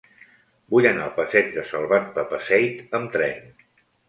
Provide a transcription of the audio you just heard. Vull anar al passeig de Salvat Papasseit amb tren.